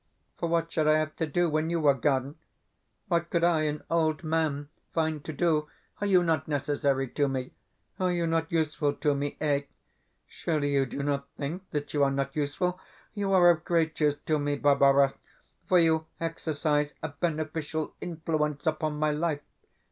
For what should I have to do when you were gone? What could I, an old man, find to do? Are you not necessary to me? Are you not useful to me? Eh? Surely you do not think that you are not useful? You are of great use to me, Barbara, for you exercise a beneficial influence upon my life.